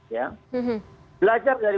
ya belajar dari